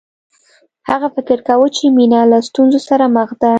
هغه فکر کاوه چې مینه له ستونزو سره مخ ده